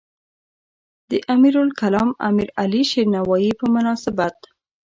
د امیرالکلام امیرعلی شیرنوایی په مناسبت.